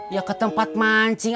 ya ke tempat mancing